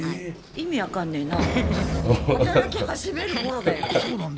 意味分かんねえな。